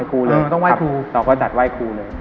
ครูเลยต้องไหว้ครูเราก็จัดไหว้ครูเลย